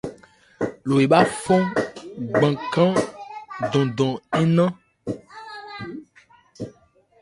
Lo ebhá fɔ́n gbakhrân ndóndó nnán.